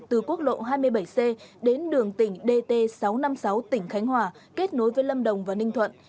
từ quốc lộ hai mươi bảy c đến đường tỉnh dt sáu trăm năm mươi sáu tỉnh khánh hòa kết nối với lâm đồng và ninh thuận